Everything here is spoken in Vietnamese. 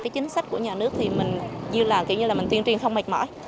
chính sách của nhà nước thì mình như là tuyên truyền không mệt mỏi